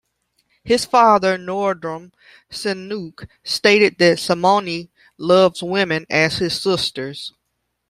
His father Norodom Sihanouk stated that Sihamoni "loves women as his sisters".